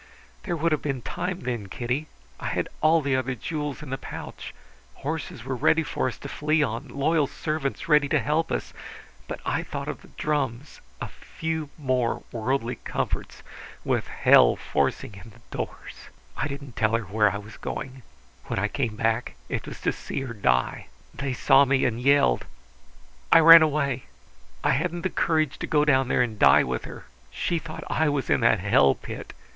There would have been time then, Kitty. I had all the other jewels in the pouch. Horses were ready for us to flee on, loyal servants ready to help us; but I thought of the drums. A few more worldly comforts with hell forcing in the doors! "I didn't tell her where I was going. When I came back it was to see her die! They saw me, and yelled. I ran away. I hadn't the courage to go down there and die with her! She thought I was in that hell pit.